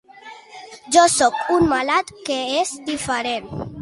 Jo sóc un malalt, que és diferent.